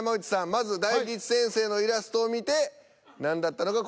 まず大吉先生のイラストを見て何だったのか答えていただきたいと思います。